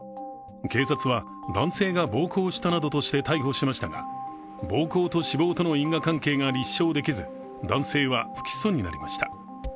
警察は男性が暴行したなどとして逮捕しましたが暴行と死亡との因果関係が立証できず、男性は不起訴になりました。